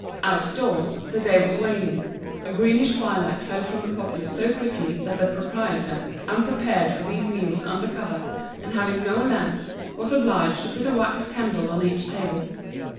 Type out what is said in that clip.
Outdoors, the day was waning, a greenish twilight fell from the poplars so quickly that the proprietor, unprepared for these meals under cover, and having no lamps, was obliged to put a wax candle on each table.